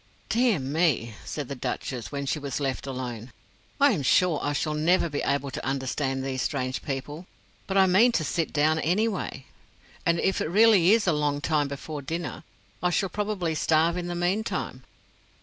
"Dear me," said the Duchess, when she was left alone; "I am sure I shall never be able to understand these strange people. But I mean to sit down, anyway, and if it really is a long time before dinner, I shall probably starve in the meantime."